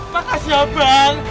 makasih ya bang